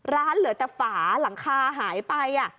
ร้านเหลือแต่ฝาหลังคาหายไปอ่ะ